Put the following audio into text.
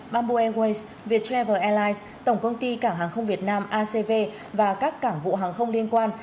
bamboo airways viettravel airlines tổng công ty cảng hàng không việt nam acv và các cảng vụ hàng không liên quan